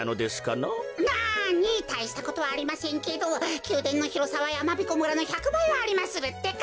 なにたいしたことはありませんけどきゅうでんのひろさはやまびこ村の１００ばいはありまするってか。